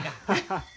ハハハハ。